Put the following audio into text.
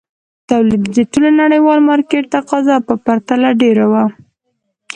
تولید یې د ټول نړیوال مارکېټ تقاضا په پرتله ډېر وو.